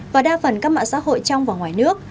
và đa phần các mạng xã hội trong và ngoài nước